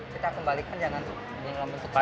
kita kembalikan jangan untuk sampah